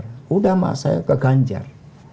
sudah saya sudah ke ganjar